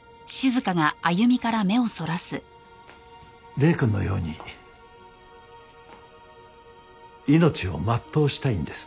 礼くんのように命を全うしたいんです。